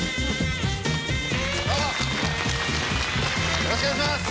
よろしくお願いします。